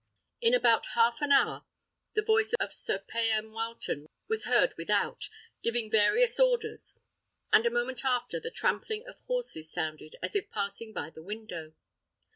In about half an hour, the voice of Sir Payan Wileton was heard without, giving various orders, and a moment after, the trampling of horses sounded as if passing by the window.